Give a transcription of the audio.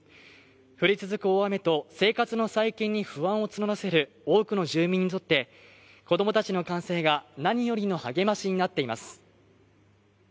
降り続く大雨と生活の再建に不安を募らせる多くの住民にとって、子供たちの歓声が何よりの励ましになっています。